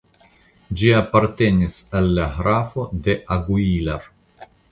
Ĝi apartenis al la grafo de Aguilar.